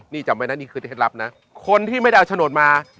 นี่จำไว้นะนี่คือเคล็ดลับนะคนที่ไม่ได้เอาโฉนดมา